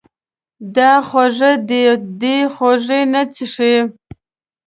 دا خوږې دي، دی خوږې نه څښي.